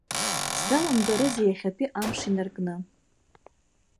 Сзаламгарызеи иахьатәи амш инаркны.